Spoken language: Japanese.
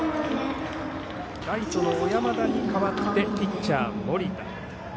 ライトの小山田に代わってピッチャー、森田。